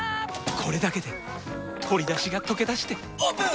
これだけで鶏だしがとけだしてオープン！